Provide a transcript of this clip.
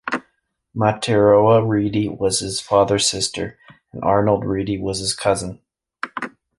Materoa Reedy was his father's sister, and Arnold Reedy was his cousin.